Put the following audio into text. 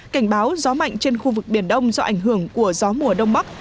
cảnh báo gió mạnh trên khu vực biển đông do ảnh hưởng của gió mùa đông bắc